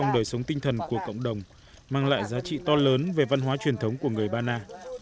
đời sống tinh thần của cộng đồng mang lại giá trị to lớn về văn hóa truyền thống của người ba na